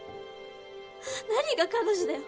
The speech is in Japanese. なにが彼女だよ